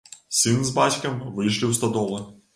Сын з бацькам выйшлі ў стадолу.